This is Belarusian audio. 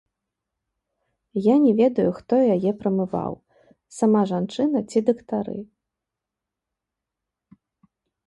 Я не ведаю, хто яе прамываў, сама жанчына ці дактары.